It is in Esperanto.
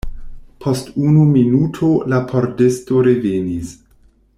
Post unu minuto la pordisto revenis.